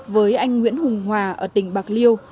với anh nguyễn hùng hòa ở tỉnh bạc liêu